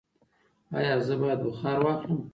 ایا زه باید بخار واخلم؟